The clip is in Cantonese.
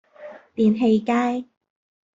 電氣街